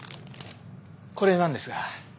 これなんですが。